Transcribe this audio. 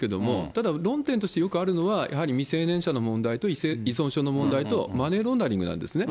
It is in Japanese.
ただ、論点としてよくあるのは、やはり未成年者の問題と依存症の問題と、マネーロンダリングなんですね。